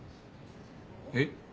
えっ？